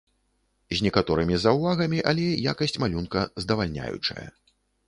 З некаторымі заўвагамі, але якасць малюнка здавальняючая.